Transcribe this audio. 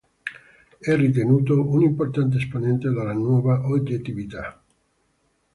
È ritenuto un importante esponente della Nuova Oggettività.